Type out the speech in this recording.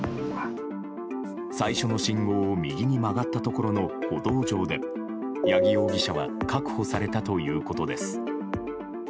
最初の信号を右に曲がったところの歩道上で八木容疑者は確保されたということです。